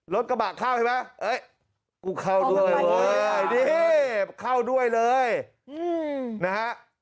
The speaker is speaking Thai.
รถกระบะเข้าใช่ไหมเอ๊ะกูเข้าด้วยโอ๊ยดิเห้เข้าด้วยเลยอืมนะฮะ